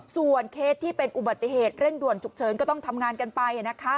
ส่วนเคสที่เป็นอุบัติเหตุเร่งด่วนฉุกเฉินก็ต้องทำงานกันไป